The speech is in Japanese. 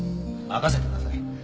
任せてください。